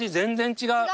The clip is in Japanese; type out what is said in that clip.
違う？